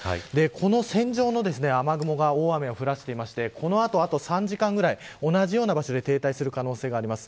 この線状の雨雲が大雨を降らしていてこの後、あと３時間ぐらい同じような場所で停滞する可能性があります。